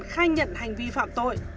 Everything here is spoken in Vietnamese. khai nhận hành vi phạm tội